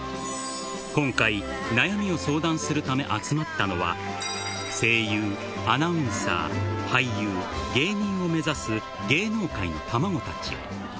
今回、悩みを相談するため集まったのは、声優、アナウンサー、俳優、芸人を目指す、芸能界の卵たち。